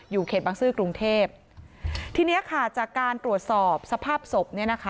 อยู่เขตบางซื้อกรุงเทพทีนี้จากการตรวจสอบสภาพศพ